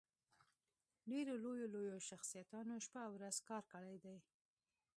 ډېرو لويو لويو شخصياتو شپه او ورځ کار کړی دی